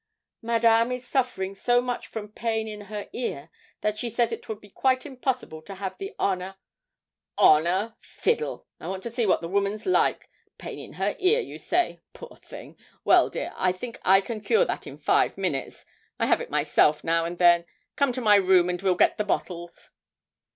'Madame is suffering so much from pain in her ear, that she says it would be quite impossible to have the honour ' 'Honour fiddle! I want to see what the woman's like. Pain in her ear, you say? Poor thing! Well, dear, I think I can cure that in five minutes. I have it myself, now and then. Come to my room, and we'll get the bottles.'